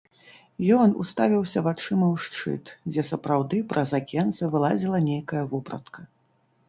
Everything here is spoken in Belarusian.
Ён уставіўся вачыма ў шчыт, дзе сапраўды праз акенца вылазіла нейкая вопратка.